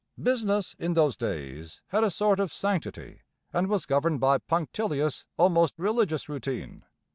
Business in those days had a sort of sanctity and was governed by punctilious almost religious routine.